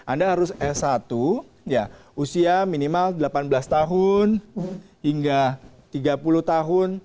anda harus s satu usia minimal delapan belas tahun hingga tiga puluh tahun